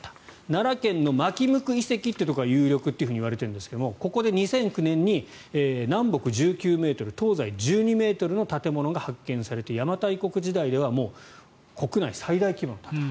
奈良県の纏向遺跡というところが有力といわれているんですがここで２００９年に南北１９ｍ東西１２ｍの建物が発見されて邪馬台国時代では国内最大規模の建物。